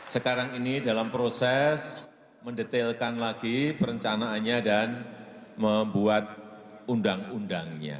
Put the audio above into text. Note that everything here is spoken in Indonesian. sekarang ini dalam proses mendetailkan lagi perencanaannya dan membuat undang undangnya